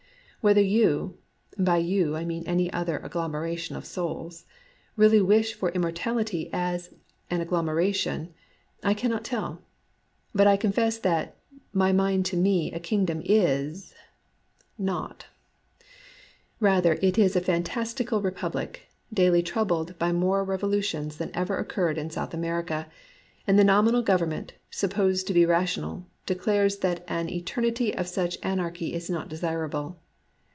Whether you (by you I mean any other agglomeration of souls) really wish for im mortality as an agglomeration, I cannot tell. But I confess that " my mind to me a king dom is "— not ! Eather it is a fantastical republic, daily troubled by more revolutions than ever occurred in South America ; and the nominal government, supposed to be rational, declares that an eternity of such anarchy is not desirable.